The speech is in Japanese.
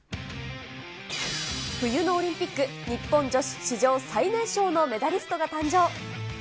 冬のオリンピック、日本女子史上最年少のメダリストが誕生。